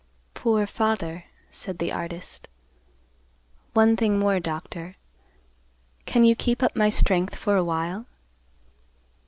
"Poor father," said the artist. "One thing more, Doctor; can you keep up my strength for awhile?"